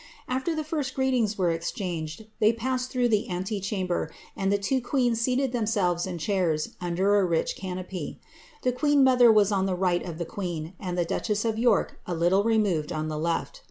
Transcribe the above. After the first greetings were exchanged, they passed through the antechamber, and the two queens seated themselves in chairs, under a rich canopy. The queen rootber was on the right of the queen, and the duchess of York a little removed on tlie left.